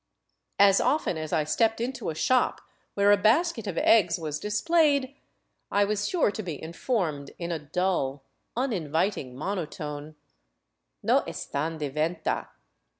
As often as I stepped into a shop where a basket of eggs was displayed, I was sure to be informed in a dull, uninviting monotone, " No estan de venta."